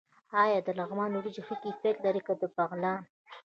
آیا د لغمان وریجې ښه کیفیت لري که د بغلان؟